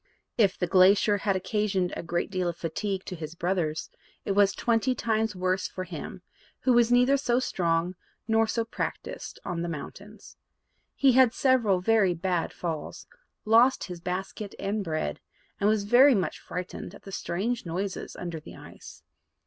If the glacier had occasioned a great deal of fatigue to his brothers, it was twenty times worse for him, who was neither so strong nor so practised on the mountains. He had several very bad falls, lost his basket and bread, and was very much frightened at the strange noises under the ice.